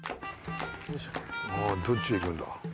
あぁどっちへ行くんだ？